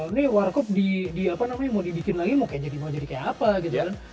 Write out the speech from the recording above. ini warcop mau dibikin lagi mau jadi kayak apa gitu ya kan